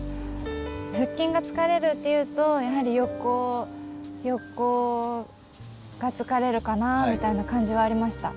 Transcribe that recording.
腹筋が疲れるっていうとやはり横が疲れるかなあみたいな感じはありました。